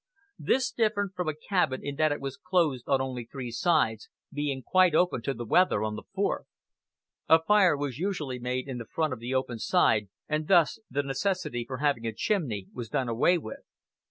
This differed from a cabin in that it was closed on only three sides, being quite open to the weather on the fourth. A fire was usually made in front of the open side, and thus the necessity for having a chimney was done away with.